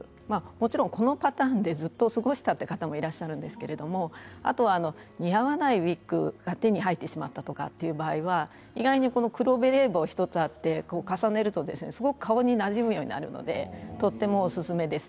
もちろんこのパターンでずっと過ごしたという方もいらっしゃるんですけれどあとは似合わないウイッグが手に入ってしまったという場合は黒ベレー帽１つ重ねるとすごく顔になじむのでとってもおすすめです。